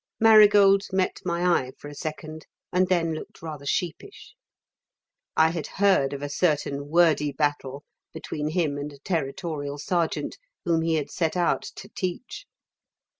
Marigold met my eye for a second and then looked rather sheepish. I had heard of a certain wordy battle between him and a Territorial Sergeant whom he had set out to teach.